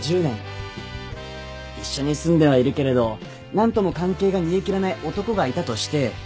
一緒に住んではいるけれど何とも関係が煮え切らない男がいたとして。